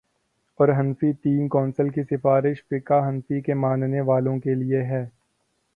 اورحنفی تین کونسل کی سفارش فقہ حنفی کے ماننے والوں کے لیے ہے۔